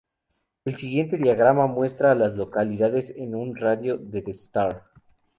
El siguiente diagrama muestra a las localidades en un radio de de Starr.